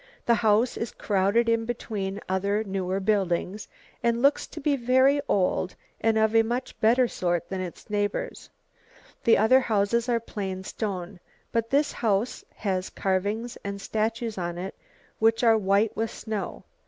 The house is crowded in between other newer buildings, and looks to be very old and of a much better sort than its neighbours. The other houses are plain stone, but this house has carvings and statues on it, which are white with snow.